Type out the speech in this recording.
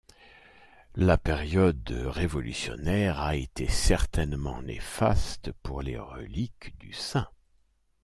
La période révolutionnaire a été certainement néfaste pour les reliques du saint.